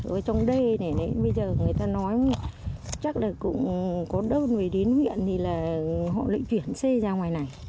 ở trong đê này đấy bây giờ người ta nói chắc là cũng có đơn về đến huyện thì là họ lấy chuyển xe ra ngoài này